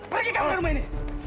pergi kamu dari rumah ini